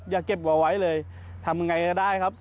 อย่าเก็บเอาไว้เลยทำยังไงก็ได้ครับ